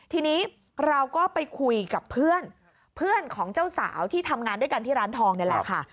ทีนี้เราก็ไปคุยกับเพื่อนเพื่อนของเจ้าสาวที่ทำงานด้วยกันที่ร้านทองนี่แหละค่ะ